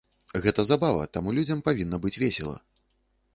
Гэта забава, таму людзям павінна быць весела.